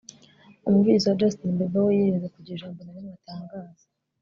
umuvugizi wa Justin Bieber we yirinze kugira ijambo na rimwe atangaza